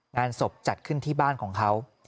งานศพจัดขึ้นที่บ้านของเขา